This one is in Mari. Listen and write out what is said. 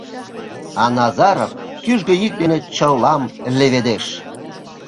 А Назаров кӱжгӧ йӱк дене чылам леведеш: